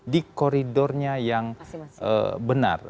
di koridornya yang benar